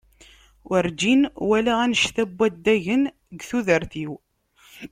Werǧin walaɣ annect-a n waddagen deg tudert-iw.